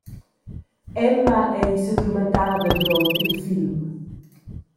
Emma ei sedurmentada duront il film.